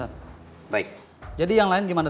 dan itu adalah black cobra